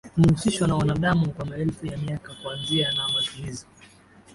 umehusishwa na wanadamu kwa maelfu ya miaka kuanzia na matumiz